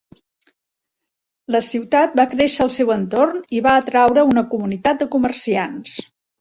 La ciutat va créixer al seu entorn i va atreure una comunitat de comerciants.